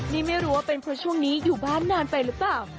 นี่ไม่รู้ว่าเป็นเพราะช่วงนี้อยู่บ้านนานไปหรือเปล่า